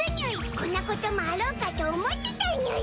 こんなこともあろうかと思ってたにゅい！